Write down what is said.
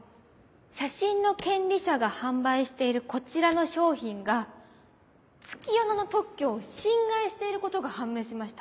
写真の権利者が販売しているこちらの商品が月夜野の特許を侵害していることが判明しました。